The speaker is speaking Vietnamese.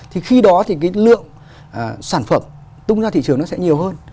thì khi đó thì cái lượng sản phẩm tung ra thị trường nó sẽ nhiều hơn